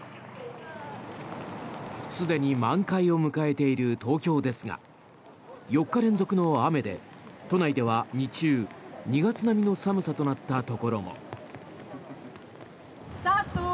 すでに満開を迎えている東京ですが４日連続の雨で都内では日中２月並みの寒さとなったところも。